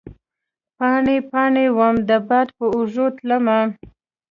پاڼې ، پا ڼې وم د باد په اوږو تلمه